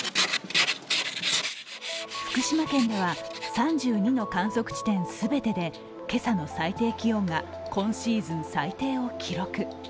福島県では３２の観測地点全てで今朝の最低気温が今シーズン最低を記録。